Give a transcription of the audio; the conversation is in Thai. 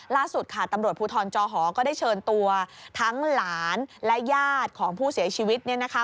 ล่าสุดค่ะตำรวจภูทรจอหอก็ได้เชิญตัวทั้งหลานและญาติของผู้เสียชีวิต